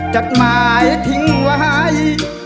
จดหมายทิ้งไว้